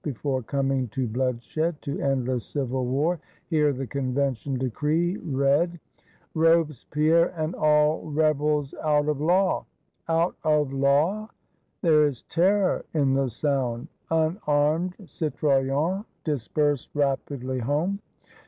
Before coming to blood shed, to endless civil war, hear the Convention Decree read: " Robespierre and all rebels Out of Law!" — Out of Law? There is terror in the sound. Unarmed Cito yens disperse rapidly home.